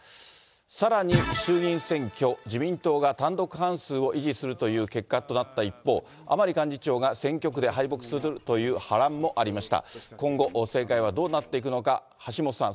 さらに、衆議院選挙、自民党が単独過半数を維持するという結果となった一方、甘利幹事長が選挙区で敗北するという波乱もありました。